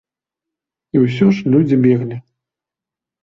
І ўсё ж людзі беглі.